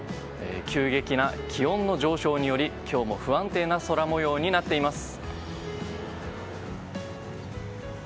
急激な気温の上昇により、今日も不安定な空模様になっています。